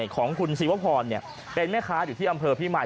ของคุณศิวพรเป็นแม่ค้าอยู่ที่อำเภอพี่มาย